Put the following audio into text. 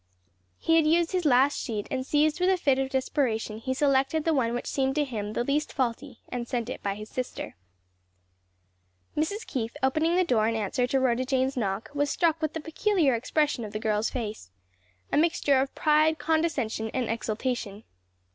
He had used his last sheet, and seized with a fit of desperation, he selected the one which seemed to him the least faulty and sent it by his sister. Mrs. Keith, opening the door in answer to Rhoda Jane's knock, was struck with the peculiar expression of the girl's face a mixture of pride, condescension and exultation.